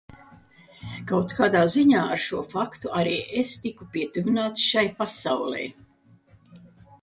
Kaut kādā ziņā ar šo faktu arī es tiku pietuvināts šai pasaulei.